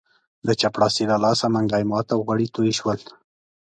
د چپړاسي له لاسه منګی مات او غوړي توی شول.